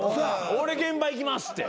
俺現場行きますって。